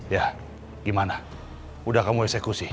ya gimana udah kamu eksekusi